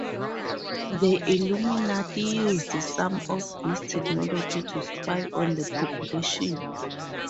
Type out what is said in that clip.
The Illuminati used some of this technology to spy on the population.